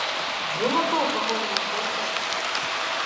Дзе натоўп аголеных дзяўчат?!